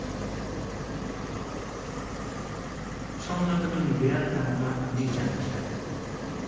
そんな時に出会ったのがじいちゃんでした。